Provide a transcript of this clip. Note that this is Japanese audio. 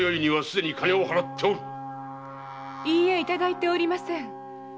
いいえ頂いておりません。